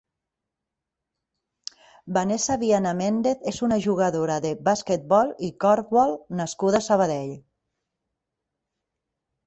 Vanessa Viana Méndez és una jugadora de bàsquetbol i corfbol nascuda a Sabadell.